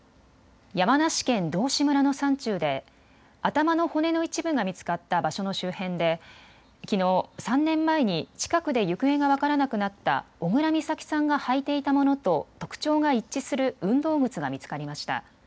山梨県道志村の山中で頭の骨の一部が見つかった場所の周辺できのう３年前に近くで行方が分からなくなった小倉美咲さんが履いていたものと特徴が一致する運動靴が見つかりました。